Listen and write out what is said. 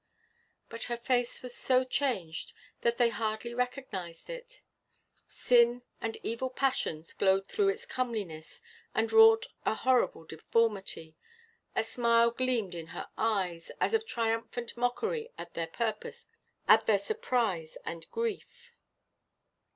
But her face was so changed that they hardly recognized it. Sin and evil passions glowed through its comeliness, and wrought a horrible deformity; a smile gleamed in her eyes, as of triumphant mockery, at their surprise and grief.